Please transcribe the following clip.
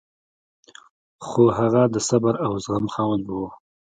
خو هغه د صبر او زغم خاوند و.